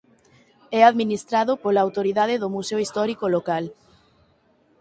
É administrado pola autoridade do museo histórico local.